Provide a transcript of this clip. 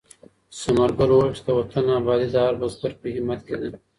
ثمر ګل وویل چې د وطن ابادي د هر بزګر په همت کې ده.